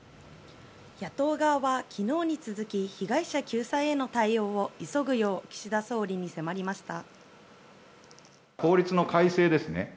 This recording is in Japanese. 野党側は昨日に続き被害者救済への対応を急ぐよう岸田総理に迫りました。